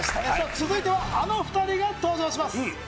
続いては、あの２人が登場します。